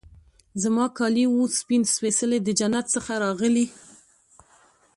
زما کالي وه سپین سپيڅلي د جنت څخه راغلي